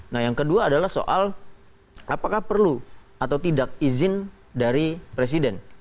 nah yang kedua adalah soal apakah perlu atau tidak izin dari presiden